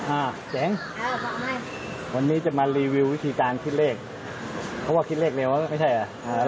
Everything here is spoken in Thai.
อ่าเจ๋งเออวันนี้จะมารีวิววิธีการคิดเลขเพราะว่าคิดเลขเร็วไม่ใช่อ่ะอ่า